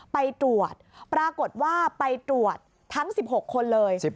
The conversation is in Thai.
ไปตรวจปรากฏว่าไปตรวจทั้ง๑๖คนเลย